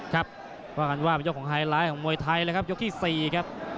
ครับว่ากันว่าเป็นยกของไฮไลท์ของมวยไทยเลยครับยกที่๔ครับ